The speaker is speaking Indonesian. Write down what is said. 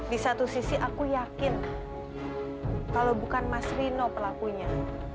di satu sisi aku yakin kalau bukan mas rino pelakunya